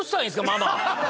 ママ。